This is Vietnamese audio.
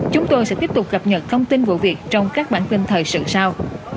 chúng tôi sẽ tiếp tục cập nhật thông tin vụ việc trong các bản tin thời sự sau